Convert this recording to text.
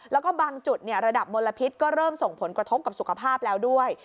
แล้วก็บางจุดระดับมลพิษก็เริ่มส่งผลกระทบกับสุขภาพแล้วด้วย